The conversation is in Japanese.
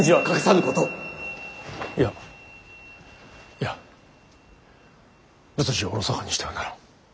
いやいや仏事をおろそかにしてはならん。